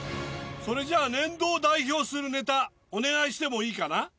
それじゃ年度を代表するネタお願いしてもいいかな？